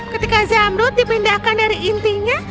ketika zamrut dipindahkan dari intinya